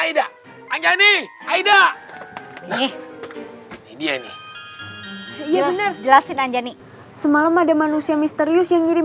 aida anjani aida ini dia ini iya bener jelasin anjani semalam ada manusia misterius yang ngirim